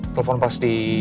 telepon pas di